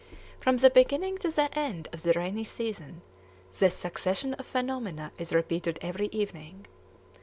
From the beginning to the end of the rainy season, this succession of phenomena is repeated every evening.